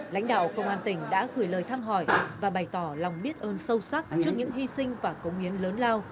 lãnh đạo công an tỉnh đã gửi lời thăm hỏi và bày tỏ lòng biết ơn sâu sắc trước những hy sinh và công hiến lớn lao